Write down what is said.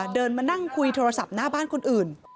เดินมานั่งคุยโทรศัพท์หน้าบ้านคนอื่น